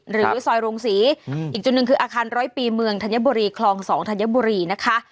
หรือซอยโรงศรีอีกจุดหนึ่งคืออาคารร้อยปีเมืองธัญบุรีคลอง๒ธัญบุรีนะคะ